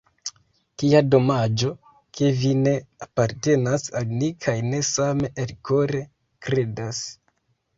Kia domaĝo, ke vi ne apartenas al ni kaj ne same elkore kredas.